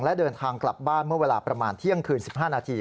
และเดินทางกลับบ้านเมื่อเวลาประมาณเที่ยงคืน๑๕นาที